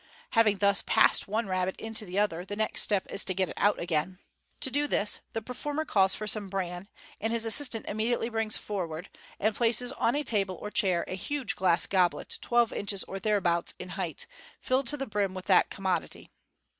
Having thus passed one rabbit into the other, the next step is to get it out again. To do this the performer calls for some bran, and his assistant immediately brings forward, and places on a table or chair, a huge glass goblet, twelve inches or thereabouts in height* filled to the brim with that commodity.